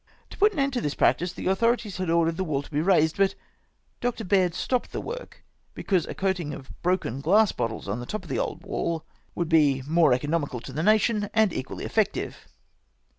To put an end to the practice, the authorities had ordered the wall to be raised, but Dr. Baird stopped the work, because a coating of broken glass bottles on the top of the old wall would be more economical to the nation and equally effectual